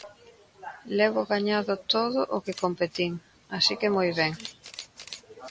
Levo gañado todo o que competín, así que moi ben.